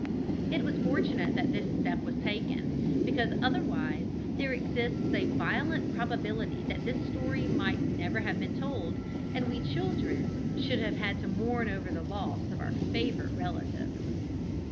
It was fortunate that this step was taken, because otherwise there exists a violent probability that this story might never have been told, and we children should have had to mourn over the loss of our favourite relative.